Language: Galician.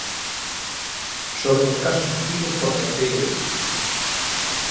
Soben os casos activos por terceiro día.